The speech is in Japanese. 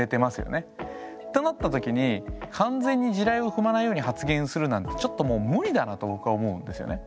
なったときに完全に地雷を踏まないように発言するなんてちょっともう無理だなと僕は思うんですよね。